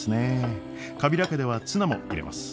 カビラ家ではツナも入れます。